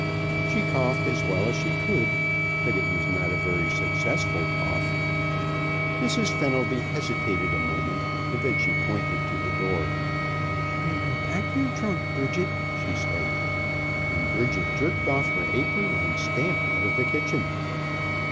She coughed as well as she could, but it was not a very successful cough. Mrs. Fenelby hesitated a moment, and then she pointed to the door. "You may pack your trunk, Bridget," she said, and Bridget jerked off her apron and stamped out of the kitchen.